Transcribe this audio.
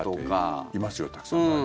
いますよ、たくさん周りに。